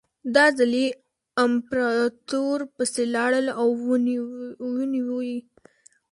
دا ځل یې امپراتور پسې لاړل او ونیو یې.